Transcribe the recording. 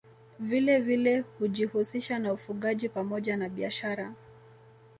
Vilevile hujihusisha na ufugaji pamoja na biashara